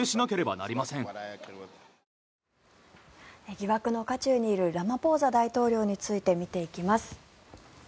疑惑の渦中にいるラマポーザ大統領について見ていきます。